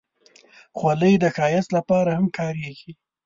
خولۍ د ښایست لپاره هم کارېږي.